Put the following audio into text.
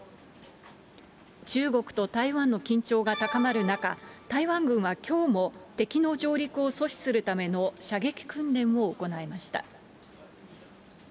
中国と台湾の緊張が高まる中、台湾軍はきょうも、敵の上陸を阻止するための射撃訓練を行いました。